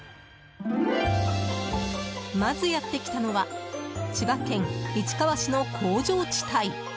まず、やってきたのは、千葉県市川市の工場地帯。